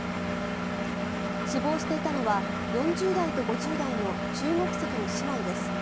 死亡していたのは４０代と５０代の中国籍の姉妹です。